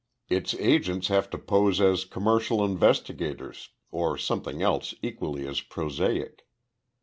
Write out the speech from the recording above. Its agents have to pose as commercial investigators, or something else equally as prosaic.